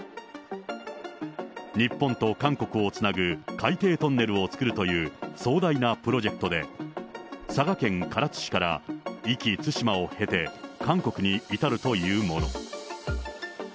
日本と韓国をつなぐ海底トンネルを作るという、壮大なプロジェクトで、佐賀県唐津市から壱岐、対馬を経て、韓国に至るというもの。